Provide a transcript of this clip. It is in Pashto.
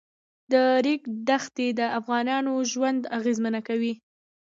د ریګ دښتې د افغانانو ژوند اغېزمن کوي.